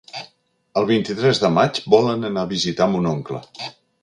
El vint-i-tres de maig volen anar a visitar mon oncle.